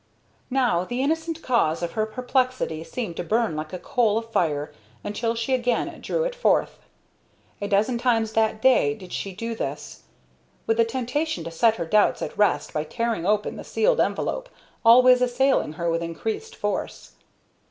Now the innocent cause of her perplexity seemed to burn like a coal of fire until she again drew it forth. A dozen times that day did she do this, with the temptation to set her doubts at rest by tearing open the sealed envelope always assailing her with increased force.